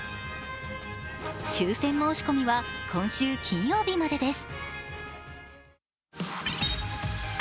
抽選申し込みは今週金曜日までです。